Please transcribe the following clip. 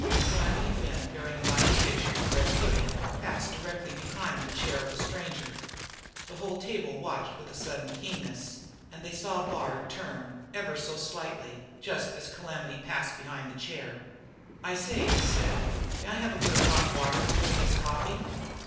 Calamity Ben bearing a mighty dish of bread pudding, passed directly behind the chair of the stranger. The whole table watched with a sudden keenness, and they saw Bard turn, ever so slightly, just as Calamity passed behind the chair. "I say," he said, "may I have a bit of hot water to put in this coffee?"